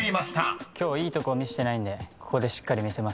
今日いいところ見せてないんでここでしっかり見せます。